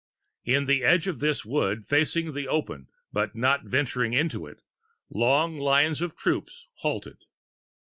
In the edge of this wood, facing the open but not venturing into it, long lines of troops halted.